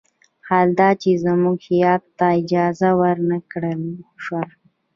حال دا چې زموږ هیات ته اجازه ور نه کړل شوه.